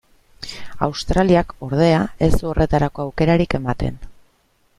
Australiak, ordea, ez du horretarako aukerarik ematen.